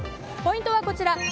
ポイントはこちら。